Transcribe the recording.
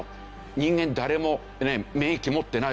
人間誰も免疫持ってないわけですよ。